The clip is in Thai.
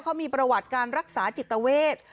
เขามีประวัติการรักษาจิตเวท